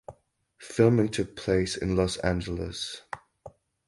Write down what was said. Filming took place in Los Angeles.